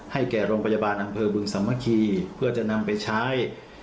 แก่โรงพยาบาลอำเภอบึงสามัคคีเพื่อจะนำไปใช้